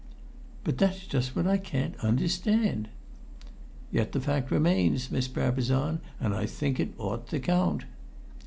"But that's just what I can't understand!" "Yet the fact remains, Miss Brabazon, and I think it ought to count."